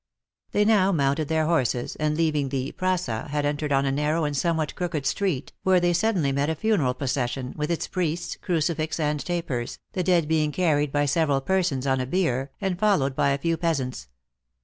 They now mounted their horses, and leaving the praca, had entered on a narrow and somewhat crooked street, where they suddenly met a funeral procession, with its priests, crucifix and tapers, the dead being carried by several persons on a bier, and followed by a few peasants.